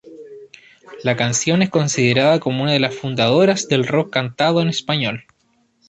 La canción es considerada como una de las fundadoras del rock cantado en español.